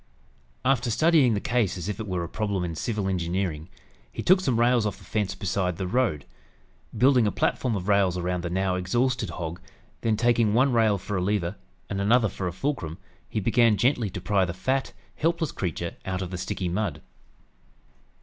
After studying the case as if it were a problem in civil engineering, he took some rails off the fence beside the road. Building a platform of rails around the now exhausted hog, then taking one rail for a lever and another for a fulcrum, he began gently to pry the fat, helpless creature out of the sticky mud.